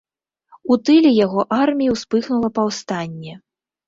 У тыле яго арміі ўспыхнула паўстанне.